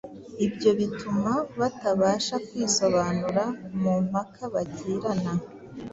Ibyo bituma batabasha kwisobanura mu mpaka bagirana